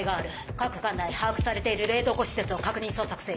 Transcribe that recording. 各管内把握されている冷凍庫施設を確認捜索せよ。